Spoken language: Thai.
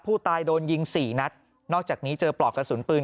ผู้ตายโดนยิงสี่นัดนอกจากนี้เจอปลอกกระสุนปืน